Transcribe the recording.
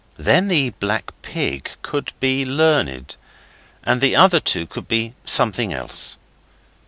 Then the black pig could be Learned, and the other two could be something else.